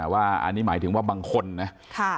ว่าอันนี้หมายถึงว่าบางคนนะ